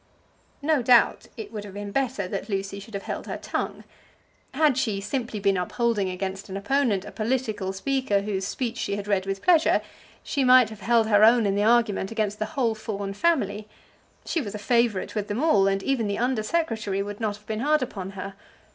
No doubt it would have been better that Lucy should have held her tongue. Had she simply been upholding against an opponent a political speaker whose speech she had read with pleasure, she might have held her own in the argument against the whole Fawn family. She was a favourite with them all, and even the Under Secretary would not have been hard upon her.